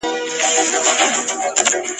زما یې له محفل سره یوه شپه را لیکلې ده !.